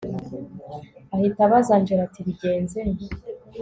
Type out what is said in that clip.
ahita abaza angella ati bigenze